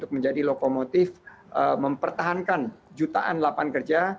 menjadi lokomotif yang bisa mempertahankan jutaan lapangan kerja